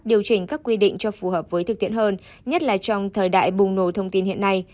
điều chỉnh các quy định cho phù hợp với thực tiễn hơn nhất là trong thời đại bùng nổ thông tin hiện nay